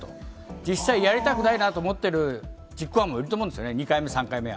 実際やりたくないなと思っている実行犯もいると思うんですよね、２回目、３回目は。